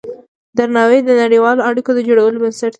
درناوی د نړیوالو اړیکو د جوړولو بنسټ دی.